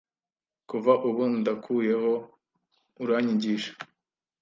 Kuva ubu ndakuyeho uranyigisha